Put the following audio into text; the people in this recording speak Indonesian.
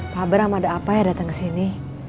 pak abram ada apa yang datang kesini